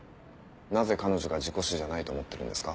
なぜ彼女が事故死じゃないと思ってるんですか？